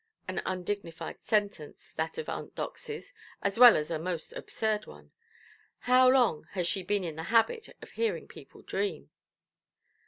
An undignified sentence, that of Aunt Doxyʼs, as well as a most absurd one. How long has she been in the habit of hearing people dream?